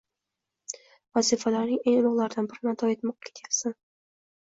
vazifalarning eng ulug'laridan birini ado etmoqqa ketyapsan.